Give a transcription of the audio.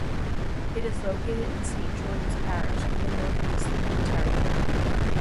It is located in Saint George's Parish, in the northeast of the territory.